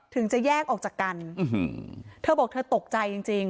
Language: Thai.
ถึงจะแยกออกจากกันเธอบอกเธอตกใจจริงจริง